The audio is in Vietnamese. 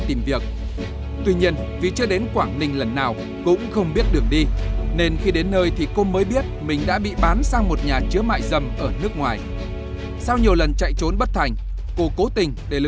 tìm việc em làm ở quảng ninh nó hứa sẽ trả tiền lương một mươi năm triệu